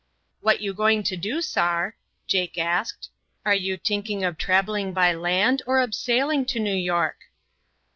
"What you going to do, sar?" Jake asked. "Are you tinking ob trabeling by land or ob sailing to New York?"